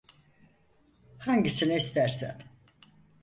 Hangisini istersen.